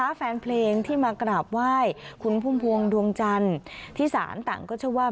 แฟนเพลงที่มากราบไหว้คุณพุ่มพวงดวงจันทร์ที่ศาลต่างก็เชื่อว่า